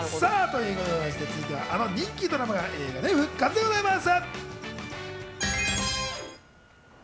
続いては、あの人気ドラマが映画で復活です。